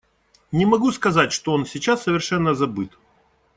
Не могу сказать, что он сейчас совершенно забыт.